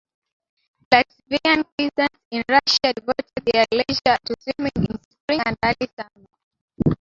Latvian peasants in Russia devote their leisure to swinging in spring and early summer.